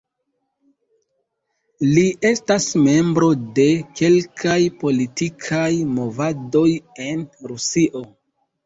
Li estas membro de kelkaj politikaj movadoj en Rusio.